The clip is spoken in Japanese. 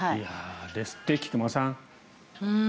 ですって、菊間さん。